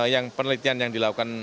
yang penelitian yang dilakukan